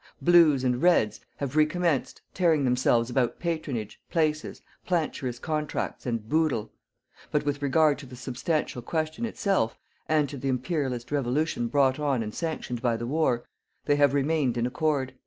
"Blues" and "Reds" have recommenced tearing themselves about patronage, places, planturous contracts and "boodle." But with regard to the substantial question itself, and to the Imperialist revolution brought on and sanctioned by the war, they have remained in accord.